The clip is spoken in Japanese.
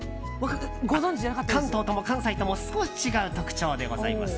関東とも関西とも少し違う特徴でございます。